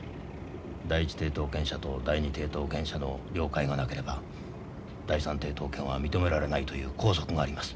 第一抵当権者と第二抵当権者の了解がなければ第三抵当権は認められないという拘束があります。